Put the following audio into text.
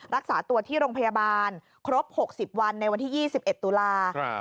รักษาตัวที่โรงพยาบาลครบ๖๐วันในวันที่๒๑ตุลาคม